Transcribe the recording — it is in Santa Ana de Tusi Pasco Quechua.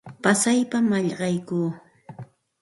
Pasaypam mallaqaykuu.